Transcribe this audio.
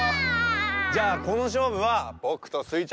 じゃあこのしょうぶはぼくとスイちゃんが。